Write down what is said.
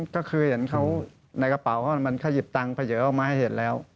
ก็คือเห็นเขาในกระเป๋ามันขยิบตังเขยะออกมาให้เห็นแล้ว